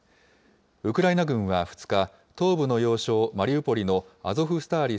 ウクライナ軍は２日、東部の要衝マリウポリのアゾフスターリ